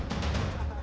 aku mau balik